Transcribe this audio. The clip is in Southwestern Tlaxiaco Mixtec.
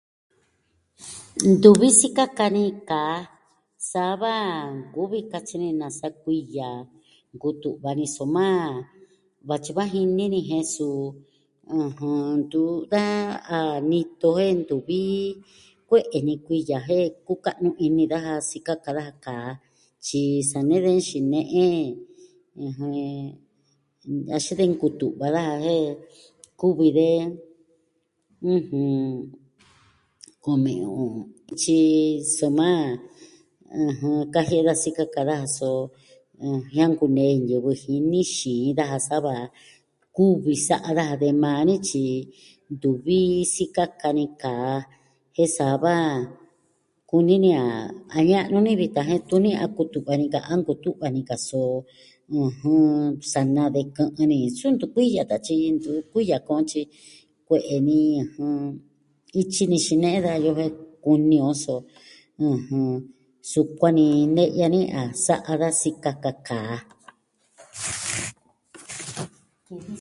Ntuvi sikaka ni kaa. Sava, nkuvi katyi ni nasa kuiya nkutu'va ni. Soma Vatyi vaji nee ni jen suu, ɨjɨn... Ntu da a nito jen ntuvi kue'e ni kuiya jen kuka'nu ini daja sikaka daja kaa. Tyi sa nee de nxine'e, axin de nkutu'va daja jen, kuvi de... ɨjɨn... kume o. Tyi... soma... ɨjɨn. Kajie'e da sikaka daja, so. jɨn, jiaan kunee ñivɨ jini xii daja. Sava, kuvi sa'a daja de maa ni tyi ntuvi, sikaka ni kaa. Jen saa va, kunini a, a ña'nu ni vitan jen tuni a kutu'va ni ka'an nkutu'va ni kaa so. ɨjɨn, sa na de kɨ'ɨn ni Suu ntu kuiya tatyi, ntu kuiya koo tyi kue'e ni. Jɨn... Ityi ni xine'e dayoo, jen kuni o so, ɨjɨn... Sukuan ni ne'ya ni a sa'a da sikaka kaa.